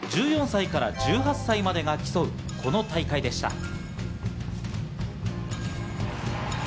１４歳から１８歳までが競う、この大会でした。